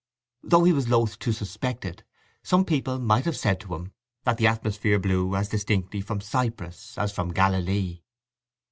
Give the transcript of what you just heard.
Though he was loth to suspect it, some people might have said to him that the atmosphere blew as distinctly from Cyprus as from Galilee.